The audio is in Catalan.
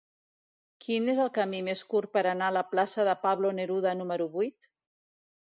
Quin és el camí més curt per anar a la plaça de Pablo Neruda número vuit?